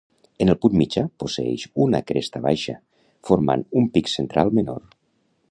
En el punt mitjà posseeix una cresta baixa, formant un pic central menor.